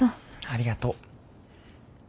ありがとう。